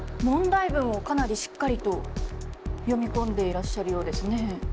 問題文をかなりしっかりと読み込んでいらっしゃるようですね。